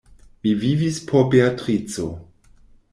Mi vivis por Beatrico.